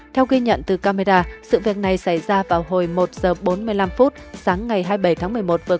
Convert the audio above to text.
theo ghi nhận từ camera sự việc này xảy ra vào hồi một h bốn mươi năm sáng ngày hai mươi bảy tháng